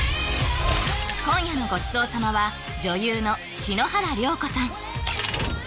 今夜のごちそう様は女優の篠原涼子さん